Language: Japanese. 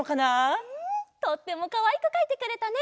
とってもかわいくかいてくれたね。